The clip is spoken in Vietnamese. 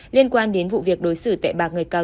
liên quan đến vụ hành hạ người khác